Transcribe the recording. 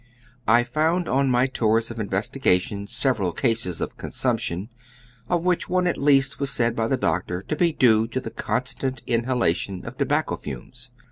I found on my tours of investigation several cases of con sumption, of which one at least was said by the doctor to be due to the constant inhalation of tobacco fumes.